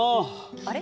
あれ？